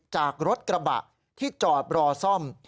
จากรถกระบะที่จอดรอซ่อม